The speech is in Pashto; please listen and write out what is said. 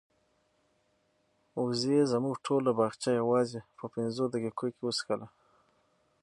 وزې زموږ ټوله باغچه یوازې په پنځو دقیقو کې وڅښله.